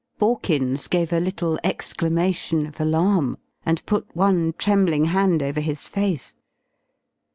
Borkins gave a little exclamation of alarm and put one trembling hand over his face.